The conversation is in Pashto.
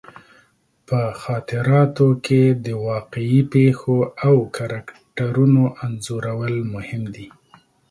په خاطراتو کې د واقعي پېښو او کرکټرونو انځورول مهم دي.